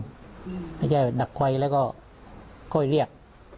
ก็มีจริงไม่ใช่ดักไหวแล้วก็ค่อยเรียก